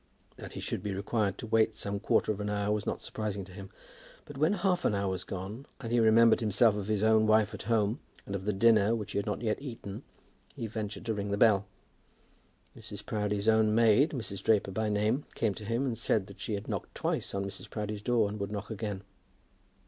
That he should be required to wait some quarter of an hour was not surprising to him; but when half an hour was gone, and he remembered himself of his own wife at home, and of the dinner which he had not yet eaten, he ventured to ring the bell. Mrs. Proudie's own maid, Mrs. Draper by name, came to him and said that she had knocked twice at Mrs. Proudie's door and would knock again.